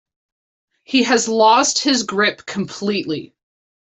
He has lost his grip completely.